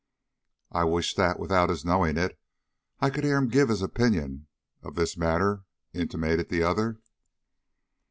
"I wish that, without his knowing it, I could hear him give his opinion of this matter," intimated the other.